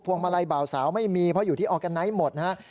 วงมาลัยเบาสาวไม่มีเพราะอยู่ที่ออร์แกไนท์หมดนะฮะ